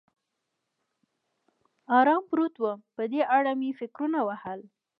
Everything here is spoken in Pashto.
ارام پروت ووم، په دې اړه مې فکرونه وهل.